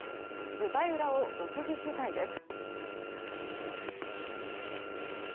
舞台裏を独自取材です。